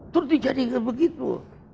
terus dijadikan begitu